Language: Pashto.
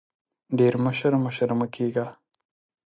ډېر مشر مشر مه کېږه !